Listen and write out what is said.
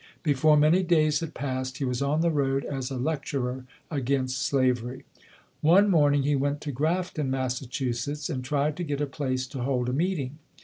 Before many days had passed he was on the road as a lecturer against slavery. One morning he went to Grafton, Massachu setts, and tried to get a place to hold a meeting.